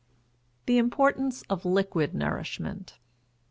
THE IMPORTANCE OF LIQUID NOURISHMENT.